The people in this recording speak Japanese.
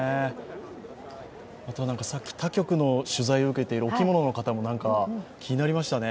さっき、他局の取材を受けているお着物の方も気になりましたね。